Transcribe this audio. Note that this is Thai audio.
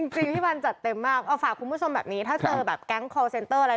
จริงพี่บอลจัดเต็มมากเอาฝากคุณผู้ชมแบบนี้ถ้าเจอแบบแก๊งคอร์เซ็นเตอร์อะไร